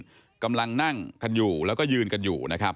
ในคลิปจะเห็นว่าอาจารย์หญิงคนนี้ขับรถยนต์มาจอดตรงบริเวณที่วัยรุ่นกันอยู่นะครับ